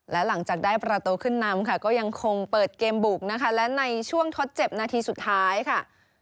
และหลังจากได้ประตูขึ้นนำค่ะก็ยังคงเปิดเกมบุกนะคะและในช่วงทดเจ็บนาทีสุดท้ายค่ะ